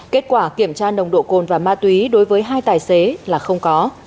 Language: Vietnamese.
kết quả kiểm tra nồng độ cồn và ma túy đối với hai tài xế là không có